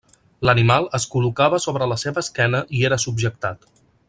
L'animal es col·locava sobre la seva esquena i era subjectat.